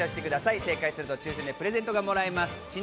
正解すると抽選でプレゼントがもらえます。